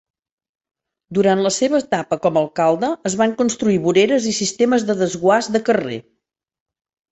Durant la seva etapa com a alcalde es van construir voreres i sistemes de desguàs de carrer.